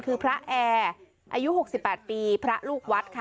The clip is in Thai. คือพระแอร์อายุ๖๘ปีพระลูกวัดค่ะ